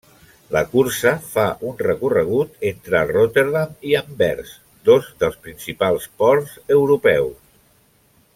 La cursa fa un recorregut entre Rotterdam i Anvers, dos dels principals ports europeus.